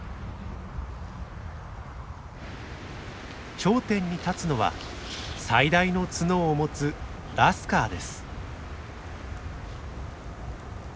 頂点に立つのは最大の角を持つラスカーです。